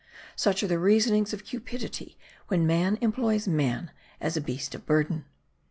Such are the reasonings of cupidity when man employs man as a beast of burden!